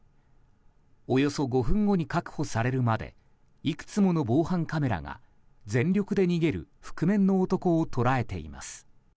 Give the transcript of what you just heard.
およそ５分後に確保されるまでいくつもの防犯カメラが全力で逃げる覆面の男を捉えています。